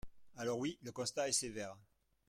Alors oui, le constat est sévère.